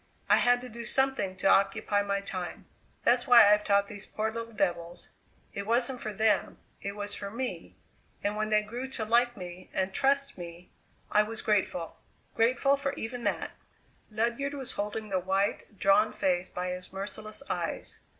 I had to do something to occupy my time. That's why I've taught these poor little devils; it wasn't for them, it was for me; and when they grew to like me and trust me I was grateful. Grateful for even that!" Ledyard was holding the white, drawn face by his merciless eyes.